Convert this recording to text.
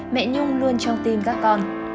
mẹ nhung luôn trong tim các con